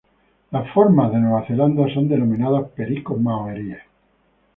Las formas de Nueva Zelanda son denominadas pericos maoríes.